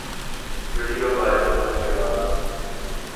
video viral ہونے کے بعد